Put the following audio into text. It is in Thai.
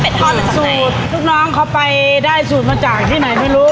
ดูทุกน้องเขาไปได้สูตรมาจากที่ไหนไม่รู้